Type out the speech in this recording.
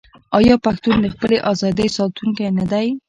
آیا پښتون د خپلې ازادۍ ساتونکی نه دی؟